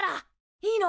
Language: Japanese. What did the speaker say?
いいの？